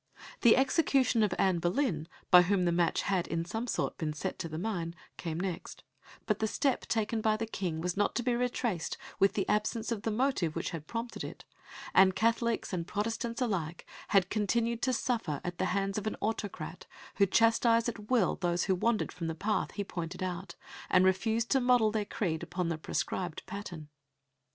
The execution of Anne Boleyn, by whom the match had, in some sort, been set to the mine, came next, but the step taken by the King was not to be retraced with the absence of the motive which had prompted it; and Catholics and Protestants alike had continued to suffer at the hands of an autocrat who chastised at will those who wandered from the path he pointed out, and refused to model their creed upon the prescribed pattern.